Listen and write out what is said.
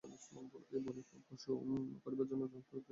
এই বলির পশু গ্রহণ করিবার জন্য চোন্তাই রাজসমীপে আসিয়াছেন।